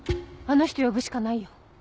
あの人呼ぶしかないよ。